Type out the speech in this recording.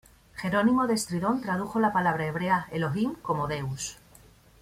Jerónimo de Estridón tradujo la palabra hebrea Elohim como Deus.